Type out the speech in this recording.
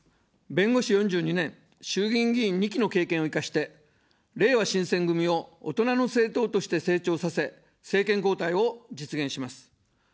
弁護士４２年、衆議院議員２期の経験を生かして、れいわ新選組を大人の政党として成長させ、政権交代を実現します。